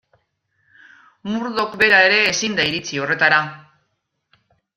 Murdoch bera ere ezin da iritsi horretara.